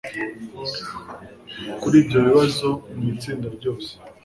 kuri ibyo bibazo mu itsinda ryose